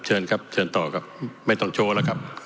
เชิญครับเชิญต่อครับไม่ต้องโชว์แล้วครับ